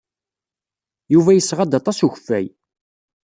Yuba yesɣa-d aṭas n ukeffay.